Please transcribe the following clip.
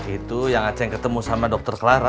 itu yang aceh ketemu sama dokter clara